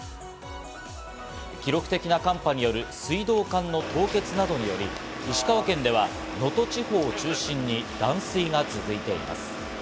記録的な寒波による水道管の凍結などにより、石川県では能登地方を中心に断水が続いています。